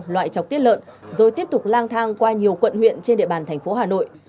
loại chọc tiết lợn rồi tiếp tục lang thang qua nhiều quận huyện trên địa bàn thành phố hà nội